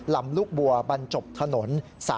ลำลูกบัวบรรจบถนน๓๐